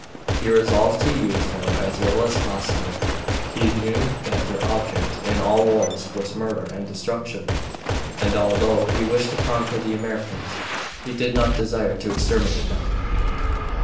He resolved to use them as little as possible. He knew that their object in all wars was murder and destruction, and although he wished to conquer the Americans, he did not desire to exterminate them.